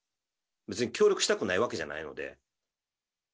別に協力したくないわけじゃないので。